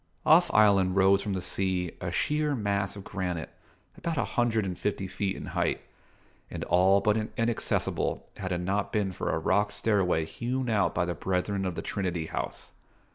Off Island rose from the sea a sheer mass of granite, about a hundred and fifty feet in height, and all but inaccessible had it not been for a rock stair way hewn out by the Brethren of the Trinity House.